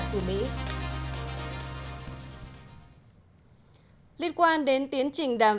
liên quan đến tiến trình đàm phán brexit thủ tướng anh theresa may sẽ thông báo với lãnh đạo châu âu